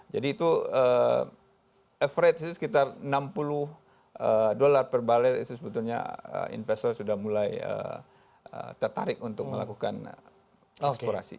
jadi itu average itu sekitar enam puluh us dollar per barang itu sebetulnya investor sudah mulai tertarik untuk melakukan eksplorasi